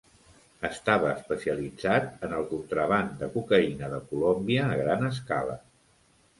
Estava especialitzat en el contraban de cocaïna de Colòmbia a gran escala.